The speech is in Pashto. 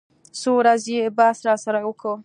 څو ورځې يې بحث راسره وکو.